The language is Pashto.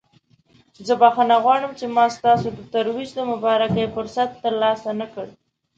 زه بخښنه غواړم چې ما ستاسو د ترویج د مبارکۍ فرصت ترلاسه نکړ.